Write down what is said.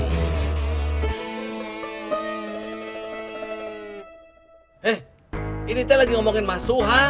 eh ini saya sedang berbicara dengan mas suha